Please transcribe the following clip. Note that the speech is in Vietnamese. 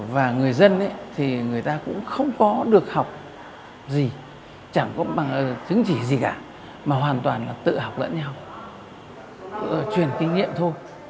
và người dân thì người ta cũng không có được học gì chẳng có bằng chứng chỉ gì cả mà hoàn toàn là tự học lẫn nhau truyền kinh nghiệm thôi